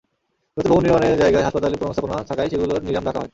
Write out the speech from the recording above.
নতুন ভবন নির্মাণের জায়গায় হাসপাতালের পুরোনো স্থাপনা থাকায় সেগুলোর নিলাম ডাকা হয়।